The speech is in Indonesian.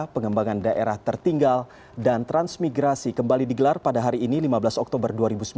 pengembangan daerah tertinggal dan transmigrasi kembali digelar pada hari ini lima belas oktober dua ribu sembilan belas